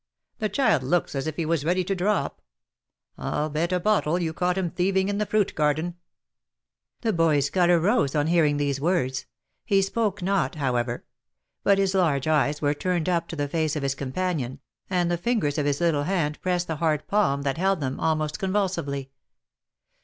The child looks as if he was ready to drop. I'll bet a bottle you caught him thieving in the fruit garden." The boy's colour rose on hearing these words. He spoke not, how ever,; but his large eyes were turned up to the face of his compa nion, and the fingers of his little hand pressed the hard palm that held them, almost convulsively.